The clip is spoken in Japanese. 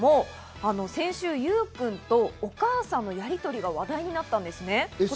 先週、ゆうくんとお母さんのやりとりが話題になったんです。